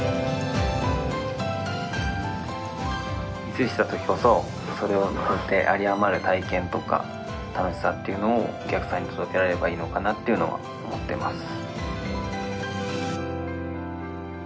ミスした時こそそれを超えて有り余る体験とか楽しさっていうのをお客さんに届けられればいいのかなっていうのは思っています